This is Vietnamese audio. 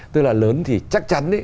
tức là lớn thì chắc chắn